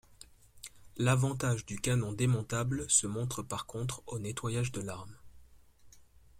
L’avantage du canon démontable se montre par contre au nettoyage de l’arme.